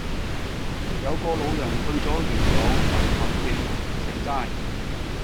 有個老人去左元朗民合徑食齋